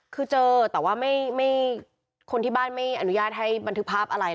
คือเจอแต่ว่าคนที่บ้านไม่อนุญาตให้บันทึกภาพอะไร